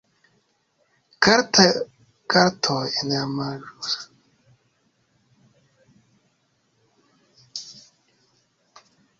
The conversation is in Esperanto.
Kartoj en la malĝusta koloro, ne konsideriĝas.